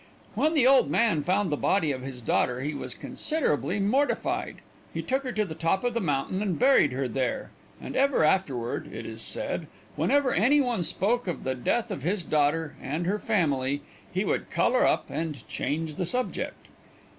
When the old man found the body of his daughter he was considerably mortified. He took her to the top of the mountain and buried her there, and ever afterward, it is said, whenever any one spoke of the death of his daughter and her family, he would color up and change the subject.